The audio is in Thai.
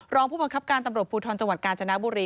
รองผู้บังคับการตำรวจภูทรจังหวัดกาญจนบุรี